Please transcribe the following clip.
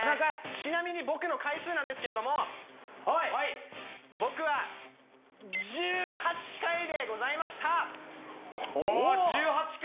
ちなみに僕の回数なんですけれども僕は１８回でございましたおう１８回！